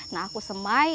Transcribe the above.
nah aku semai